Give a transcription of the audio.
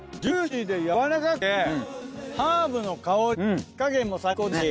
ジューシーで柔らかくてハーブの香り火加減も最高ですし。